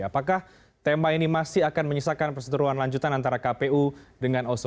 apakah tema ini masih akan menyisakan perseteruan lanjutan antara kpu dengan oso